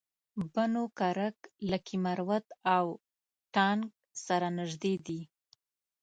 بنو کرک لکي مروت او ټانک سره نژدې دي